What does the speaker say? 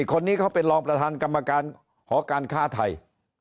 คนนี้เขาเป็นรองประธานกรรมการหอการค้าไทย